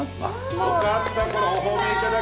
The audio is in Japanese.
よかった。